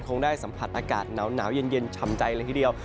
คงได้สัมผัสอากาศหนาวเย็นชำใจเลยทีเดียว